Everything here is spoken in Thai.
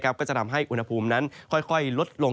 ก็จะทำให้อุณหภูมินั้นค่อยลดลง